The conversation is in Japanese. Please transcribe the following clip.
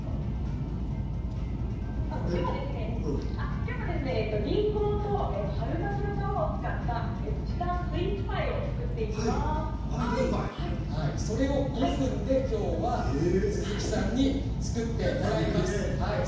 きょうは、りんごと春巻きの皮を使った時短スイーツパイをそれを５分で鈴木さんに作っていただきます。